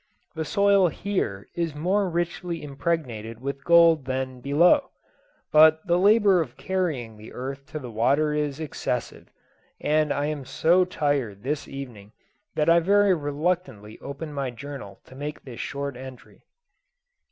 The soil here is more richly impregnated with gold than below; but the labour of carrying the earth to the water is excessive, and I am so tired this evening that I very reluctantly opened my journal to make this short entry.